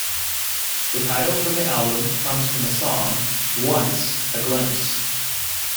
The title for the album comes from the song "Once, a Glimpse".